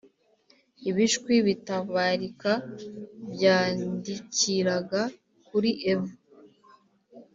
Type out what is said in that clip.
ibishwi bitabarika byandikiraga kuri eva.